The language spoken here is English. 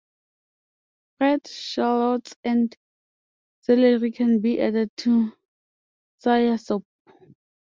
Fried shallots and celery can be added to sayur sop.